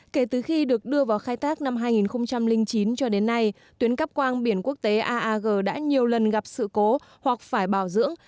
kể từ khi được đưa vào khai thác năm hai nghìn chín cho đến nay tuyến cắp quang biển quốc tế aag đã nhiều lần gặp sự cố hoặc phải bảo dưỡng